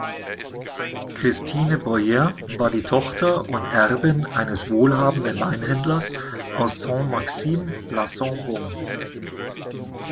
Christine Boyer war die Tochter und Erbin eines wohlhabenden Weinhändlers aus Saint-Maximin-la-Sainte-Baume.